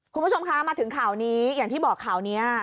คุณผู้ชมคะมาถึงข่าวนี้อย่างที่บอกข่าวนี้